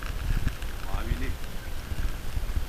Mavili!